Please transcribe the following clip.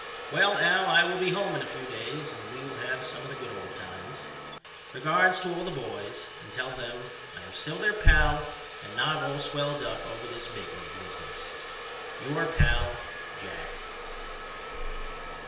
Well Al I will be home in a few days and we will have some of the good old times. Regards to all the boys and tell them I am still their pal and not all swelled up over this big league business. Your pal, JACK.